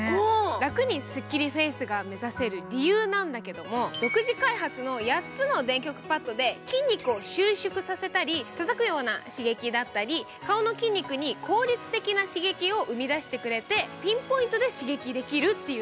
楽にスッキリフェイスが目指せる理由なんだけども、独自開発の８つの電極パッドで筋肉を刺激させたりたたくような刺激だったり顔の筋肉に効率的な刺激を生み出してくれて、ピンポイントで刺激できるっていう。